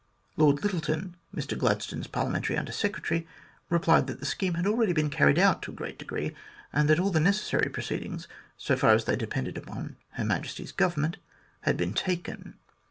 Lord Lyttelton, Mr Gladstone's Parliamentary Under Secretary, replied that the scheme had already been carried out to a great degree, and that all the necessary proceedings, so far as they depended upon Her Majesty's Government, had been taken.